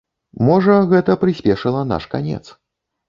Можа, гэта прыспешыла наш канец.